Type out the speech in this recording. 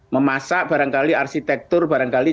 memasak barangkali arsitektur barangkali